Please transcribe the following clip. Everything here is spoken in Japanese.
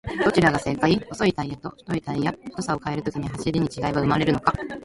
どちらが正解!?細いタイヤと太いタイヤ、太さを変えると走りに違いは生まれるのか？